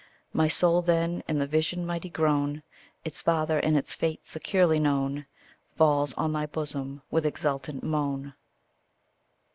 My soul then, in the vision mighty grown, Its father and its fate securely known, Falls on thy bosom with exultant moan.